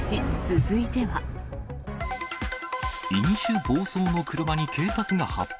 飲酒暴走の車に警察が発砲。